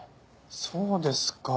そうですか。